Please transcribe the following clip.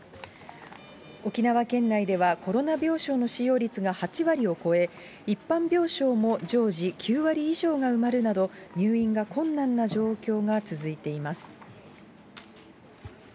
沖縄県内では、コロナ病床の使用率が８割を超え、一般病床も常時９割以上が埋まるなど、入院が困難な状況が続いています。